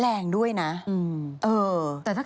แล้วแต่พัน